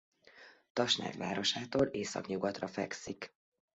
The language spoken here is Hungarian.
Tasnád városától északnyugatra fekszik.